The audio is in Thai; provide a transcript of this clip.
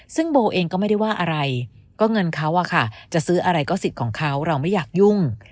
ซึ่งโบเองก็ไม่ได้ว่าอะไรก็เงินเขาอะค่ะจะซื้ออะไรก็สิทธิ์ของเขาเราไม่อยากยุ่ง